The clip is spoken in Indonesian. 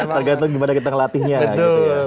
tergantung gimana kita ngelatihnya gitu ya